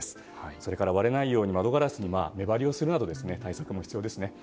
それから割れないように窓ガラスには目張りするなど対策も必要ですね。